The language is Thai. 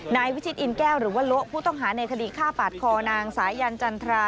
นายวิชิตอินแก้วหรือว่าโละผู้ต้องหาในคดีฆ่าปาดคอนางสายันจันทรา